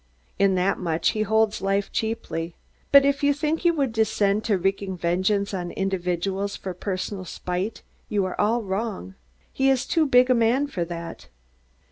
In that much, he holds life cheaply. But if you think he would descend to wreaking vengeance on individuals for personal spite, you are all wrong. He is too big a man for that."